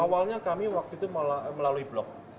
awalnya kami waktu itu melalui blok